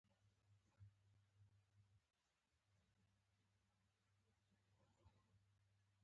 د وخت ستنه يې په نيم ساعت ودروله.